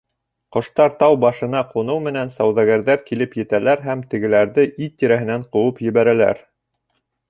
Ҡоштар тау башына ҡуныу менән сауҙагәрҙәр килеп етәләр һәм тегеләрҙе ит тирәһенән ҡыуып ебәрәләр.